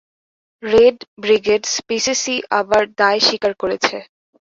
Red Brigades PCC আবার দায় স্বীকার করেছে।